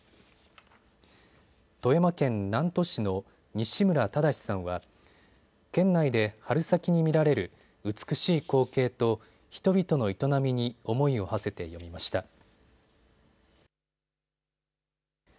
富山県南砺市の西村忠さんは県内で春先に見られる美しい光景と人々の営みに思いをはせて詠みました。